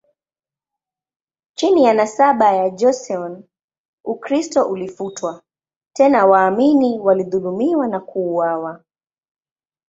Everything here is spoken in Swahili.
Chini ya nasaba ya Joseon, Ukristo ulifutwa, tena waamini walidhulumiwa na kuuawa.